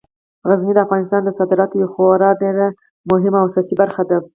غزني د افغانستان د صادراتو یوه خورا مهمه او اساسي برخه ده.